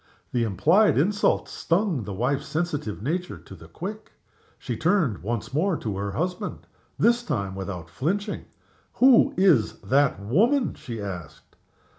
The implied insult stung the wife's sensitive nature to the quick. She turned once more to her husband this time without flinching. "Who is that woman?" she asked.